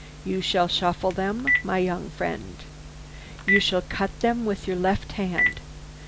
You shall shuffle them, my young friend. You shall cut them with your left hand.